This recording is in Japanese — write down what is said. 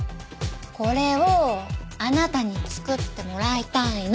これをあなたに作ってもらいたいの！